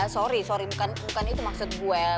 sorry sorry bukan itu maksud buel